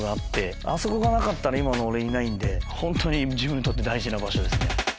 あそこがなかったら今の俺いないんで本当に自分にとって大事な場所ですね。